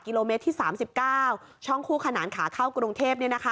โลเมตรที่๓๙ช่องคู่ขนานขาเข้ากรุงเทพ